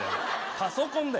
パソコンだよ。